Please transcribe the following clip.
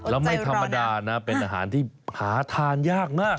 แล้วไม่ธรรมดานะเป็นอาหารที่หาทานยากมาก